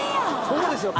そうですよ